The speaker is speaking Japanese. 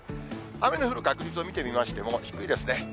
雨の降る確率を見てみましても低いですね。